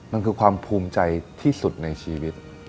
มันคือความภูมิใจที่สุดในชีวิต